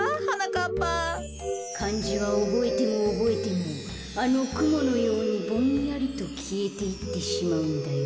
かんじはおぼえてもおぼえてもあのくものようにぼんやりときえていってしまうんだよ。